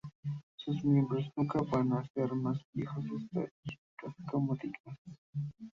Sus miembros nunca van a hacer más viejos estadistas como dignas.